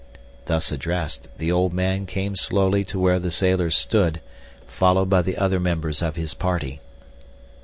Thus addressed, the old man came slowly to where the sailors stood, followed by the other members of his party.